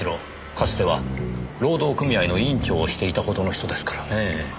かつては労働組合の委員長をしていたほどの人ですからねぇ。